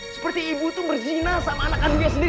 seperti ibu itu berzina sama anak kandungnya sendiri